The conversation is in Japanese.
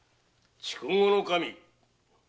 筑後守。